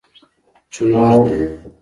چونغرته